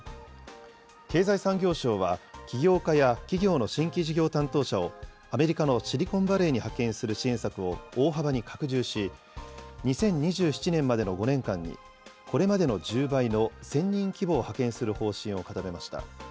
経済産業省は、起業家や企業の新規事業担当者を、アメリカのシリコンバレーに派遣する支援策を大幅に拡充し、２０２７年までの５年間に、これまでの１０倍の１０００人規模を派遣する方針を固めました。